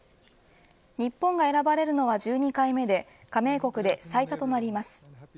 日本が選ばれるのは１２回目で加盟国で最多となります。